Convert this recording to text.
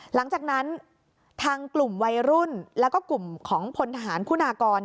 หลังจากนั้นทางกลุ่มวัยรุ่นแล้วก็กลุ่มของพลทหารคุณากร